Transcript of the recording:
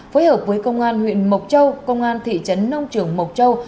phối hợp với công an huyện mộc châu công an thị trấn nông trường mộc châu